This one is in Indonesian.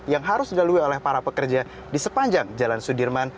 yang harus dilalui oleh para pekerja di sepanjang jalan sudirman